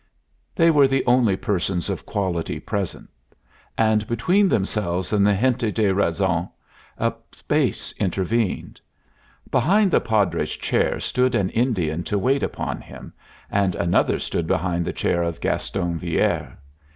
They were the only persons of quality present; and between themselves and the gente de razon a space intervened. Behind the Padre's chair stood an Indian to waft upon him, and another stood behind the chair of Gaston Villere.